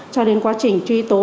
cho đến quá trình truy tố